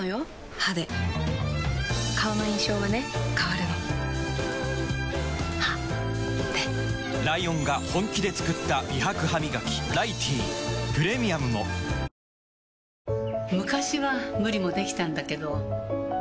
歯で顔の印象はね変わるの歯でライオンが本気で作った美白ハミガキ「ライティー」プレミアムも与作は木をきる与作？